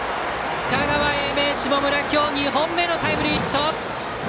香川・英明、下村今日２本目のタイムリーヒット！